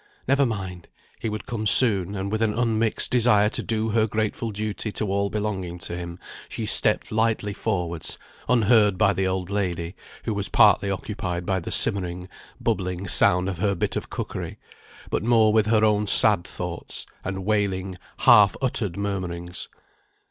Never mind! he would come soon: and with an unmixed desire to do her grateful duty to all belonging to him, she stepped lightly forwards, unheard by the old lady, who was partly occupied by the simmering, bubbling sound of her bit of cookery; but more with her own sad thoughts, and wailing, half uttered murmurings.